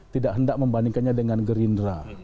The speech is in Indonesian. tidak hendak membandingkannya dengan gerindra